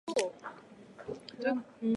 大阪府岬町